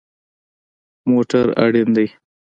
موټر اړین دی